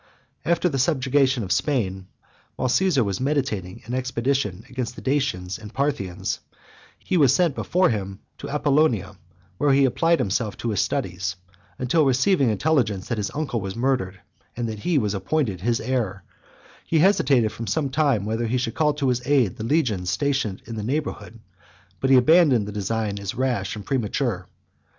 After the subjugation of Spain, while Caesar was meditating an expedition against the Dacians and Parthians, he was sent before him to Apollonia, where he applied himself to his studies; until receiving intelligence that his uncle was murdered, and that he was appointed his heir, he hesitated for some time whether he should call to his aid the legions stationed in the neighbourhood; but he abandoned the design as rash and premature.